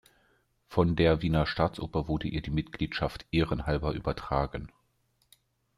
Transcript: Von der Wiener Staatsoper wurde ihr die Mitgliedschaft ehrenhalber übertragen.